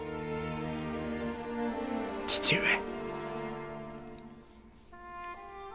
父上。